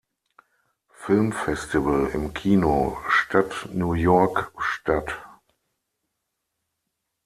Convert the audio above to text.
Filmfestival im Kino Stadt New York statt.